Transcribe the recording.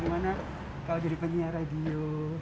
gimana kalau jadi penyiar radio